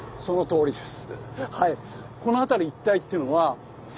そのとおりです。